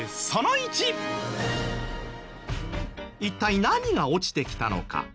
一体何が落ちてきたのか？